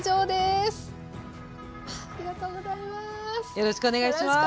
よろしくお願いします。